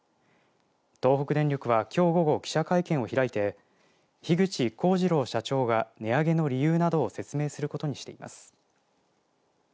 東北電力はきょう午後、記者会見を開いてひぐちこうじろう社長が値上げの理由などを説明することにしています。